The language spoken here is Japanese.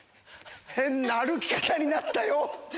変な歩き方になったよ。